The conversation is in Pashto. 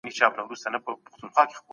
هغه دوه سېبه خوري.